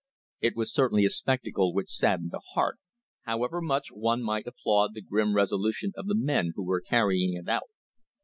It was certainly a spectacle which saddened the heart, however much one might applaud the grim resolution of the men who were carrying it out.